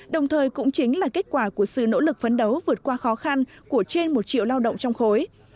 đồng thời cũng chính là kết quả của sự nỗ lực phấn đấu vượt qua khó khăn của trên một triệu lao động trong khối